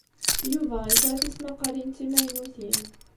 Yuba yesɛa tismaqqalin d timaynutin.